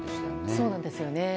そうなんですよね。